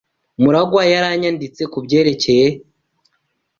MuragwA yaranyanditse kubyerekeye.